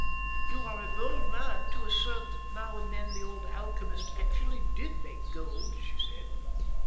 "You are a bold man to assert that now and then the old alchemists actually did make gold," she said.